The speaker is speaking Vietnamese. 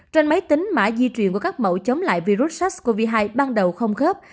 trên máy tính mã di truyền của các mẫu chống lại virus sars cov hai ban đầu không khớp